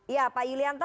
iya pak yulianto